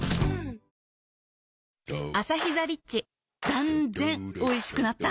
断然おいしくなった